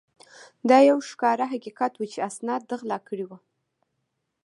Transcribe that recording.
دا یو ښکاره حقیقت وو چې اسناد ده غلا کړي ول.